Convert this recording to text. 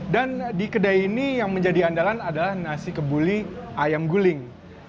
dan di kedai ini yang menjadi andalan adalah nasi kebuli ayam guling